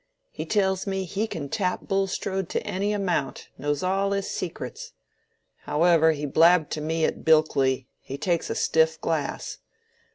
He tells me he can tap Bulstrode to any amount, knows all his secrets. However, he blabbed to me at Bilkley: he takes a stiff glass.